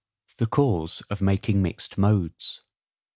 The Cause of making mixed Modes.